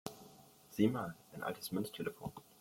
Sieh mal, ein altes Münztelefon!